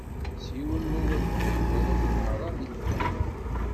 S yiwen wawal kan, terra-ten merra d ilfan.